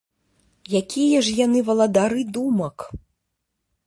Якія ж яны валадары думак?